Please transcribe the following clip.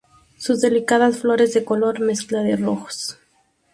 Sus delicadas flores de color mezcla de rojos.